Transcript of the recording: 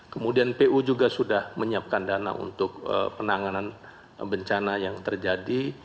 kemudian pu juga sudah menyiapkan dana untuk penanganan bencana yang terjadi